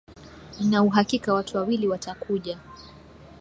Nina uhakika watu wawili watakuja